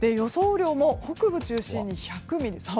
雨量も北部を中心に１００ミリ。